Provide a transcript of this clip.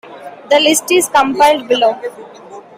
The list is compiled below.